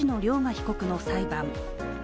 被告の裁判。